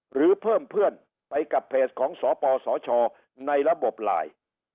หรือเพิ่มเพื่อนไปกับเพจของสปสชในระบบไลน์